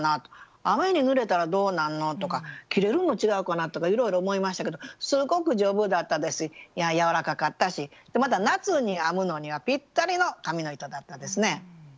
雨に濡れたらどうなんのとか切れるのちがうかなとかいろいろ思いましたけどすごく丈夫だったですしやわらかかったし夏に編むのにはぴったりの紙の糸だったですね。